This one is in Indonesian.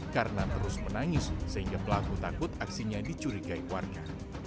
karena terus menangis sehingga pelaku takut aksinya dicurigai warga